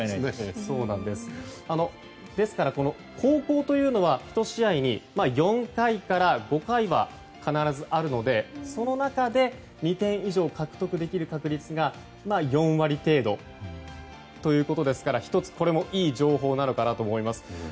ですから、後攻というのはひと試合に４回から５回は必ずあるのでその中で２点以上を獲得できる確率が４割程度ということですからこれも１ついい情報なのかなと思います。